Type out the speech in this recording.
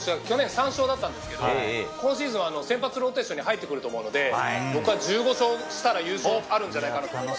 去年３勝だったんですけど今シーズンは先発ローテーションに入ってくると思うので僕は１５勝したら優勝があるんじゃないかと。